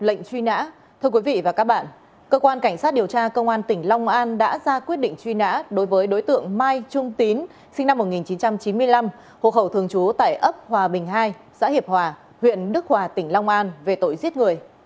đồng thời lực lượng công an đã ra quyết định truy nã đối với đối tượng mai trung tín sinh năm một nghìn chín trăm chín mươi năm hộ khẩu thường trú tại ấp hòa bình hai xã hiệp hòa huyện đức hòa tỉnh long an về tội giết người